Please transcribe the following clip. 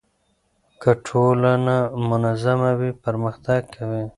که ټولنه منظمه وي پرمختګ کوي.